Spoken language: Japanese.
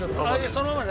そのまま。